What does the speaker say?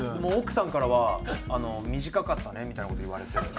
奥さんからは短かったねみたいな事言われて。